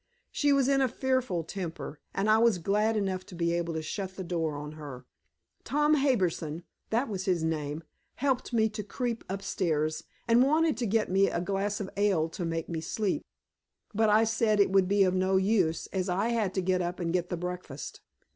She was in a fearful temper, and I was glad enough to be able to shut the door on her. Tom Harbison that was his name helped me to creep upstairs, and wanted to get me a glass of ale to make me sleep. But I said it would be of no use, as I had to get up and get the breakfast.